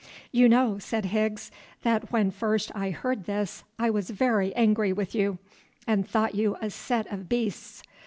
"You know," said Higgs, "that when first I heard this I was very angry with you, and thought you a set of beasts.